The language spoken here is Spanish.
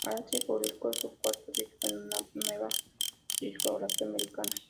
Ashanti publicó su cuarto disco en una nueva discográfica americana.